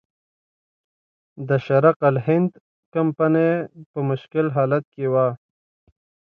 د شرق الهند کمپنۍ په مشکل حالت کې وه.